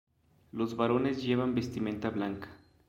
Los varones llevan vestimenta blanca.